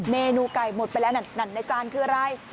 เมนูไก่หมดไปแล้วนั่นในจานคืออะไร